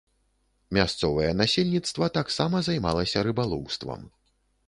Мясцовае насельніцтва таксама займалася рыбалоўствам.